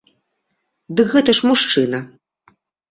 Дык гэта ж мужчына!